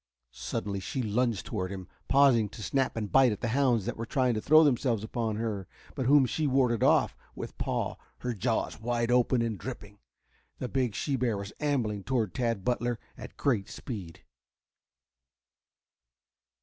Suddenly she lunged toward him, pausing to snap and bite at the hounds that were trying to throw themselves upon her, but whom she warded off with paw, her jaws wide open and dripping. The big she bear was ambling toward Tad Butler at great speed.